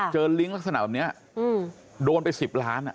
ลิงก์ลักษณะแบบนี้โดนไป๑๐ล้าน